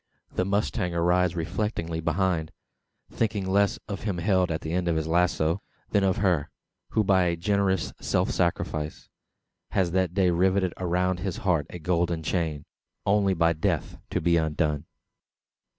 The mustanger rides reflectingly behind; thinking less of him held at the end of his lazo, than of her, who by a generous self sacrifice, has that day riveted around his heart a golden chain only by death to be undone!